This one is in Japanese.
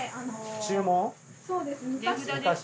注文？